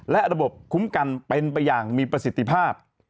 และระบบคุ้มกันเป็นไปอย่างมีประสิทธิภาพ